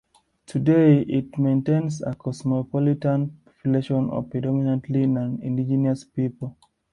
Today, it maintains a cosmopolitan population of predominantly non-indigenous people.